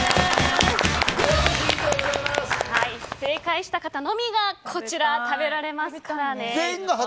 正解した方のみが食べられますからね。